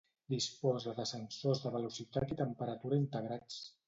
Disposa de sensors de velocitat i temperatura integrats.